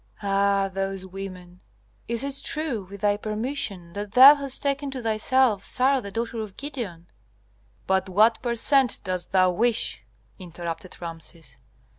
Ah, those women! Is it true, with thy permission, that thou hast taken to thyself Sarah the daughter of Gideon?" "But what per cent dost thou wish?" interrupted Rameses.